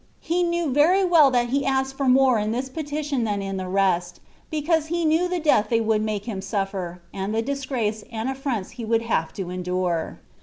He knew very weU that He asked for more in this petition than in thef rest, because He knew the death they would make Him suffer, and the disgrace and affironts He would have to endure.